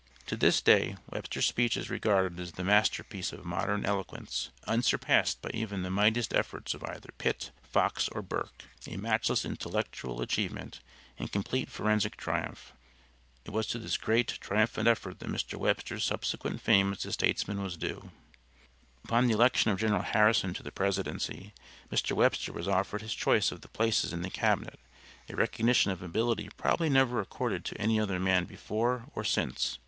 To this day Webster's speech is regarded as the master piece of modern eloquence unsurpassed by even the mightiest efforts of either Pitt, Fox or Burke a matchless intellectual achievement and complete forensic triumph. It was to this great, triumphant effort that Mr. Webster's subsequent fame as a statesman was due. Upon the election of General Harrison to the presidency Mr. Webster was offered his choice of the places in the cabinet, a recognition of ability probably never accorded to any other man before or since.